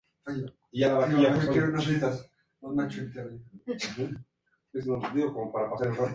Adrien Lachenal era francmasón, miembro de la Gran logia suiza alpina.